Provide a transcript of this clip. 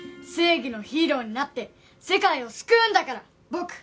正義のヒーローになって世界を救うんだから僕。